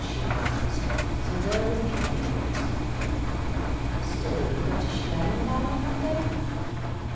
she flounced. So there was the end of it." " Still, 3'ou go to Schlangenbad on Monday